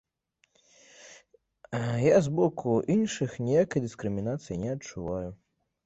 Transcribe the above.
Я з боку іншых ніякай дыскрымінацыі не адчуваю.